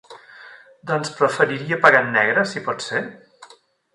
Doncs preferiria pagar en negre, si pot ser?